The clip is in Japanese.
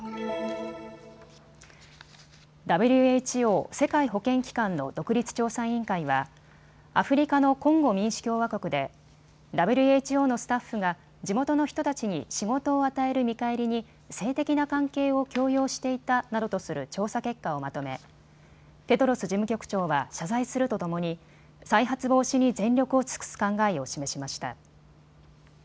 ＷＨＯ・世界保健機関の独立調査委員会はアフリカのコンゴ民主共和国でＷＨＯのスタッフが地元の人たちに仕事を与える見返りに性的な関係を強要していたなどとする調査結果をまとめテドロス事務局長は謝罪するとともに再発防止に全力を尽くす考えを示しました。